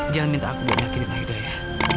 jangan minta aku menyakiti aida ya